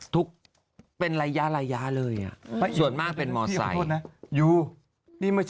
ถูกเป็นรายย้าเลยส่วนมากเป็นมทรไซค์